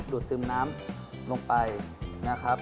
ซึมน้ำลงไปนะครับ